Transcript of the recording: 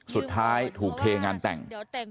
สุดท้ายถูกเทงานแต่ง